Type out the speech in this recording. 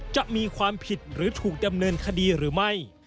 จะมีความผิดหรือถูกดำเนินคดีหรือไม่